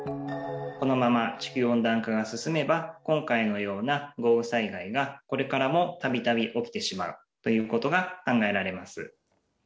このまま地球温暖化が進めば、今回のような豪雨災害が、これからもたびたび起きてしまうということが考えられます。